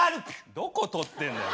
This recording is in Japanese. どことってんだよ。